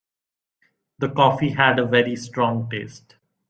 The coffee had a very strong taste.